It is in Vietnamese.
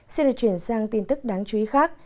xin được chuyển sang tin tức đáng chú ý khác